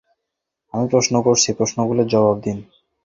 আমি প্রশ্ন করছি, প্রশ্নগুলির জবাব দিন।